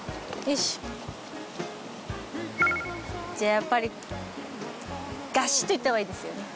じゃやっぱりガシッといったほうがいいですよね。